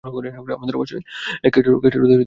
আমাদের অবশ্যই coast road এড়িয়ে চলতে হবে।